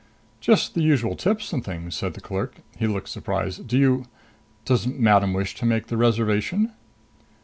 "Just the usual tips and things," said the clerk. He looked surprised. "Do you does madam wish to make the reservation?"